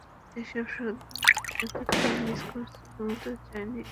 এসব এতোটাই মিস করেছি, বলতেও চাইনি এটা কোনো ডাইনোসরের কাজ না।